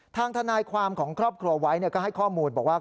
ทนายความของครอบครัวไว้ก็ให้ข้อมูลบอกว่า